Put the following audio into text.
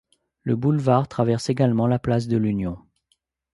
Le boulevard traverse également la place de l'Union.